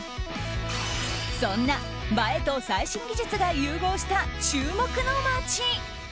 そんな映えと最新技術が融合した注目の街。